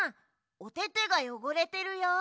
おててがよごれてるよ。